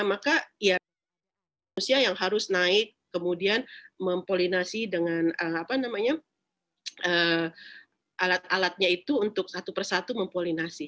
maka ya manusia yang harus naik kemudian mempolinasi dengan alat alatnya itu untuk satu persatu mempolinasi